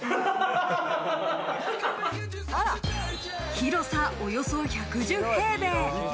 広さおよそ１１０平米。